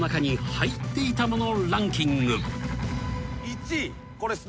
入っていたもの。